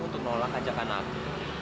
untuk nolak ajakan aku